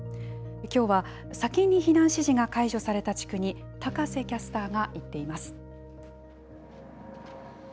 きょうは先に避難指示が解除された地区に、高瀬キャスターが行っています。